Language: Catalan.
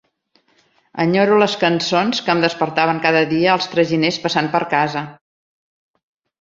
Enyore les cançons amb què em despertaven cada dia els traginers passant per casa.